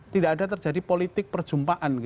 tidak ada terjadi politik perjumpaan